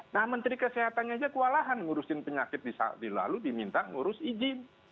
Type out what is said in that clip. nah menteri kesehatannya aja kewalahan ngurusin penyakit lalu diminta ngurus izin